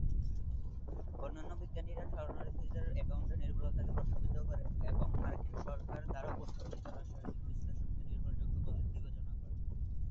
অন্যান্য বিজ্ঞানীরা শরণার্থীদের অ্যাকাউন্টের নির্ভুলতা কে প্রশ্নবিদ্ধ করে এবং মার্কিন সরকার দ্বারা উপস্থাপিত রাসায়নিক বিশ্লেষণ কে নির্ভরযোগ্য বলে বিবেচনা করে।